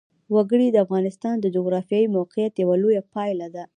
وګړي د افغانستان د جغرافیایي موقیعت یوه لویه پایله ده.